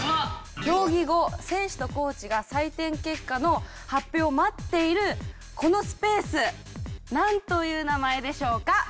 競技後選手とコーチが採点結果の発表を待っているこのスペースなんという名前でしょうか？